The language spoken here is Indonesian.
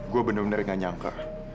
gue bener bener gak nyangka